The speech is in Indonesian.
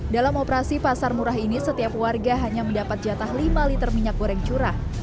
dalam operasi pasar murah ini setiap warga hanya mendapat jatah lima liter minyak goreng curah